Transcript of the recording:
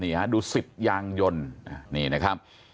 ดู๑๐ยางยนต์นี่นะครับ